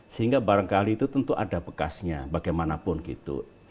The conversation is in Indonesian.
sehingga barangkali itu tentu ada bekasnya bagaimanapun gitu